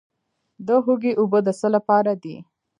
د هوږې اوبه د څه لپاره دي؟